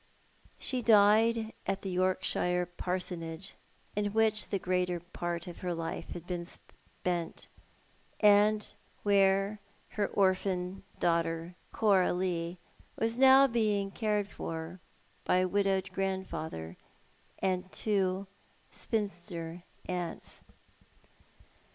She died at the Yorkshire parsonage in which the greater part of her life had been spent, and where her orphan daughter, Coralie, was now being cared for by a widowed grandfather and two spinster aunts.